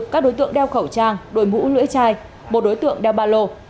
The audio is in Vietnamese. các đối tượng đeo khẩu trang đôi mũ lưỡi chai một đối tượng đeo ba lồ